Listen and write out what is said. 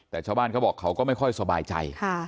แต่ชาวบ้านเขาบอกเขาก็ไม่ค่อยสบายใจ